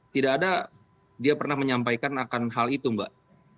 tidak ada dia pernah menyampaikan akan hal itu mbak